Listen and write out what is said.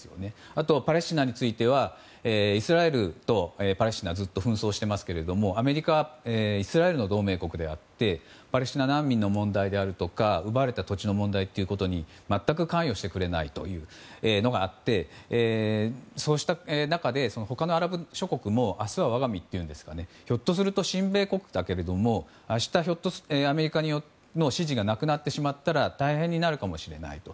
あと、パレスチナについてはイスラエルとパレスチナはずっと紛争をしていますけれどもアメリカはイスラエルの同盟国であってパレスチナ難民の問題や奪われた土地の問題に全く関与してくれないというのがあってそうした中で他のアラブ諸国も明日は我が身といいますかひょっとすると親米国だけれどもアメリカの支持がなくなってしまったら大変になるかもしれないと。